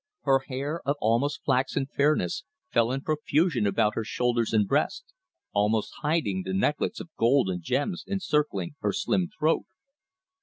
Her hair, of almost flaxen fairness, fell in profusion about her shoulders and breast, almost hiding the necklets of gold and gems encircling her slim throat.